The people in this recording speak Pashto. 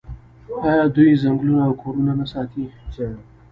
آیا دوی ځنګلونه او کورونه نه ساتي؟